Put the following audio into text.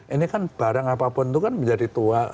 ini kan barang apapun itu kan menjadi tua